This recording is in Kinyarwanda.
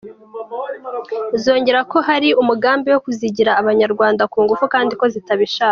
Zongeragaho ko hari umugambi wo kuzigira abanyarwanda ku ngufu kandi ko zitabishaka.